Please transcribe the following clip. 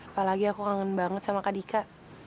apalagi aku kangen banget sama kak dika